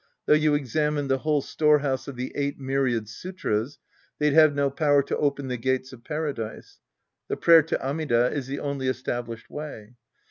Though you examined the whole storehouse of the eight myriad sutras, they'd have no power to open the gates of Paradise. The prayer to Amida is the only established way.